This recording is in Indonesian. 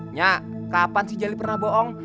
nyak kapan sih jali pernah bohong